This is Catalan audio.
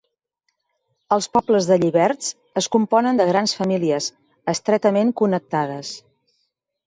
Els pobles de lliberts es componen de grans famílies, estretament connectades.